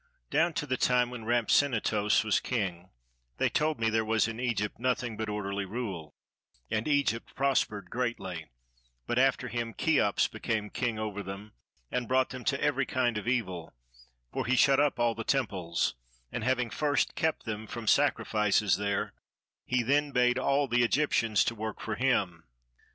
Down to the time when Rhampsinitos was king, they told me there was in Egypt nothing but orderly rule, and Egypt prospered greatly; but after him Cheops became king over them and brought them to every kind of evil: for he shut up all the temples, and having first kept them from sacrifices there, he then bade all the Egyptians work for him.